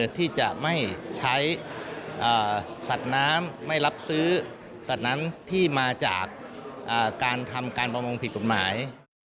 ที่จะไม่ใช้สัตว์น้ำไม่รับซื้อสัตว์น้ำที่มาจากการทำการประมงผิดกฎหมาย